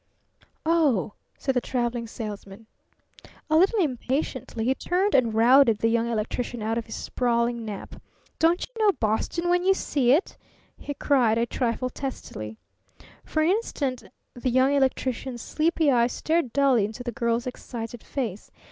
"O h," said the Traveling Salesman. A little impatiently he turned and routed the Young Electrician out of his sprawling nap. "Don't you know Boston when you see it?" he cried a trifle testily. For an instant the Young Electrician's sleepy eyes stared dully into the Girl's excited face.